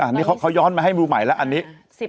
อันนี้นิ้วเขาย้อนมาให้มือใหม่แล้วอ่ะนี้